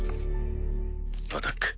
アタック。